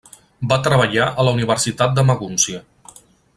Va treballar a la Universitat de Magúncia.